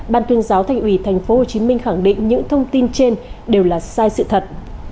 ban tuyên giáo thành ủy tp hcm khẳng định những thông tin trên đều là sai sự thật